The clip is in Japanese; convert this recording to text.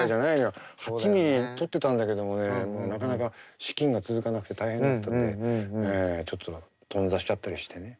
８ミリで撮ってたんだけどもねもうなかなか資金が続かなくて大変だったんでちょっと頓挫しちゃったりしてね。